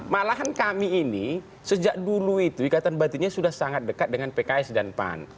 malahan kami ini sejak dulu itu ikatan batinnya sudah sangat dekat dengan pks dan pan